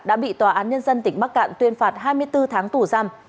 đã bị tòa án nhân dân tỉnh bắc cạn tuyên phạt hai mươi bốn tháng tù giam